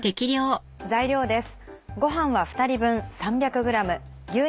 材料です。